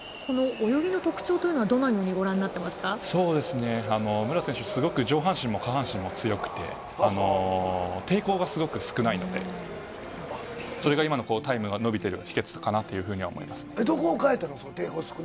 この泳ぎの特徴というのは、武良選手、すごく上半身も下半身も強くて、抵抗がすごく少ないので、それが今のタイムが伸びてる秘けつかなどこを変えたの？